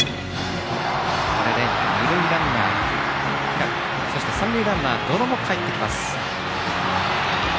これで二塁ランナー、平見三塁ランナーの百々もかえってきます。